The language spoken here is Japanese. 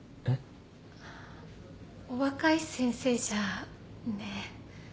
お若い先生じゃねえ。